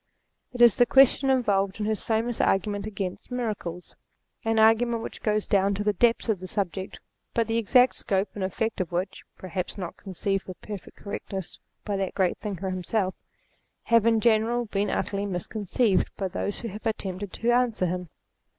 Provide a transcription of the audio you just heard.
It is the question involved in his famous argument against Miracles : an argument which goes down to the depths of the subject, but the exact scope and effect of which, (perhaps not conceived with perfect correctness by that great thinker himself), have in general been utterly misconceived by those who have attempted to answer him.